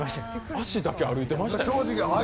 足だけ歩いていましたよ。